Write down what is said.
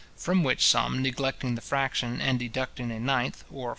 From which sum, neglecting the fraction, and deducting a ninth, or 4s.